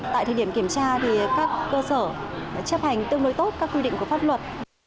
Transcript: tại thời điểm kiểm tra thì các cơ sở chấp hành tương đối tốt các quy định của pháp luật